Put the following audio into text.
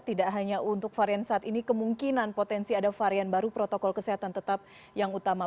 tidak hanya untuk varian saat ini kemungkinan potensi ada varian baru protokol kesehatan tetap yang utama